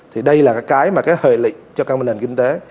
thì đây là cái hợi lị cho các bình đền kinh tế